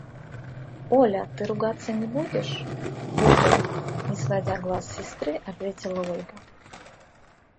– Оля, ты ругаться не будешь? – Буду! – не сводя глаз с сестры, ответила Ольга.